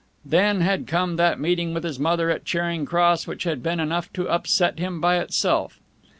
Then had come that meeting with his mother at Charing Cross, which had been enough to upset him by itself.